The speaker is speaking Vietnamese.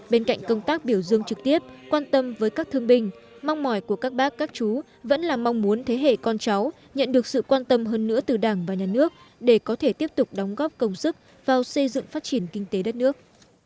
bên cạnh công tác biểu dương trực tiếp quan tâm với các thương binh mong mỏi của các bác các chú vẫn là mong muốn thế hệ con cháu nhận được sự quan tâm hơn nữa từ đảng và nhà nước để có thể tiếp tục đóng góp công sức vào xây dựng phát triển kinh tế đất nước